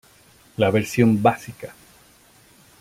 La versión básica.